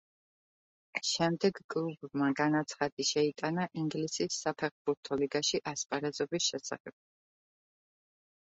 შემდეგ კლუბმა განაცხადი შეიტანა ინგლისის საფეხბურთო ლიგაში ასპარეზობის შესახებ.